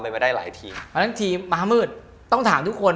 เพราะฉะนั้นทีมม้าหมืดต้องถามทุกคน